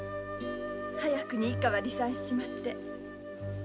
早くに一家は離散しちまって。